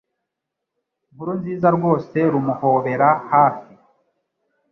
nkuruziga rwose rumuhobera hafi